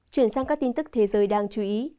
chuyển sang các tin tức thế giới đang chú ý